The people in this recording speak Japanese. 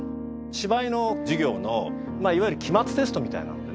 芝居の授業のいわゆる期末テストみたいなのでね